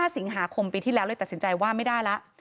สิงหาคมปีที่แล้วเลยตัดสินใจว่าไม่ได้แล้ว